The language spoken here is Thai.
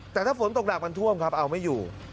แต่ถ้าฝนตกหนักมันท่วมครับเอาไม่อยู่